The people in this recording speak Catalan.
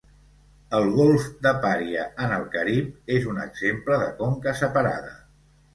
El Golf de Paria, en el Carib és un exemple de conca separada.